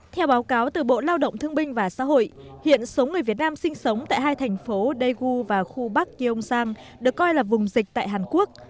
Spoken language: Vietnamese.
theo báo cáo từ bộ lao động thương binh và xã hội hiện số người việt nam sinh sống tại hai thành phố daegu và khu bắc gyeongsang được coi là vùng dịch tại hàn quốc